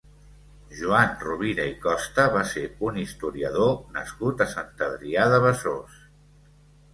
Joan Rovira i Costa va ser un historiador nascut a Sant Adrià de Besòs.